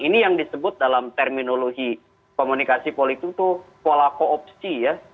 ini yang disebut dalam terminologi komunikasi politik itu pola koopsi ya